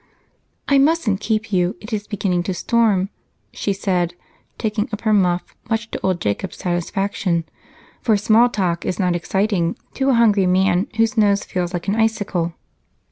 "I mustn't keep you it is beginning to storm," she said, taking up her muff, much to old Jacob's satisfaction, for small talk is not exciting to a hungry man whose nose feels like an icicle.